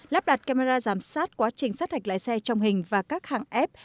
lắp đặt camera giám sát quá trình sát hạch lái xe trong hình và các hãng f